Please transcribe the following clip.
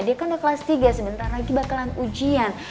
dia kan udah kelas tiga sebentar lagi bakalan ujian